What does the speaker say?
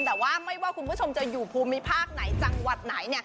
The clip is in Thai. แต่ว่าไม่ว่าคุณผู้ชมจะอยู่ภูมิภาคไหนจังหวัดไหน